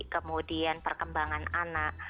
kemudian perkembangan anak